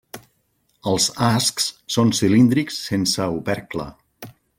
Els ascs són cilíndrics sense opercle.